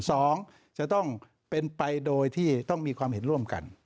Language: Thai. สองจะต้องเป็นไปโดยที่ต้องมีความเห็นร่วมกัน